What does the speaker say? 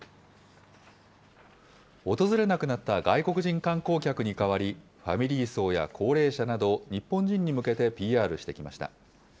訪れなくなった外国人観光客に代わり、ファミリー層や高齢者など日本人に向けてＰＲしてきました。